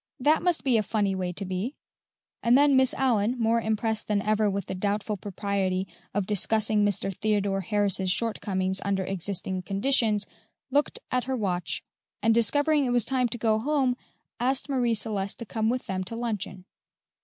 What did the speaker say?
"That must be a funny way to be;" and then Miss Allyn, more impressed than ever with the doubtful propriety of discussing Mr. Theodore Harris's shortcomings under existing conditions, looked at her watch, and discovering it was time to go home, asked Marie Celeste to come with them to luncheon.